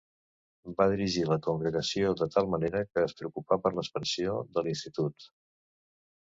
Va dirigir la congregació de tal manera que es preocupà per l'expansió de l'institut.